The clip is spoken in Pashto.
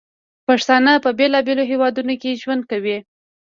پښتانه په بیلابیلو هیوادونو کې ژوند کوي.